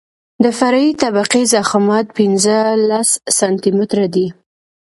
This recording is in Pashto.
د فرعي طبقې ضخامت پنځلس سانتي متره دی